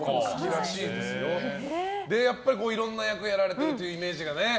でも、やっぱりいろんな役をやられているイメージが。